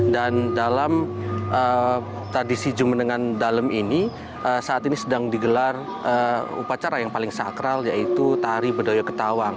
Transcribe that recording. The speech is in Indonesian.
dan dalam tradisi jum'en nengan dalam ini saat ini sedang digelar upacara yang paling sakral yaitu tari bedoyo ketawang